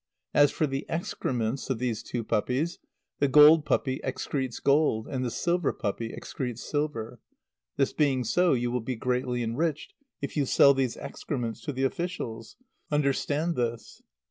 As for the excrements of these two puppies, the gold puppy excretes gold and the silver puppy excretes silver. This being so, you will be greatly enriched if you sell these excrements to the officials. Understand this!"